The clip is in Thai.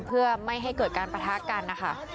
เพื่อไม่ให้เกิดการปะทะกันนะคะ